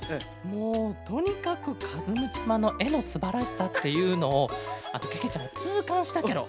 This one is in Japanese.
もうとにかくかずむちゃまのえのすばらしさっていうのをけけちゃまつうかんしたケロ。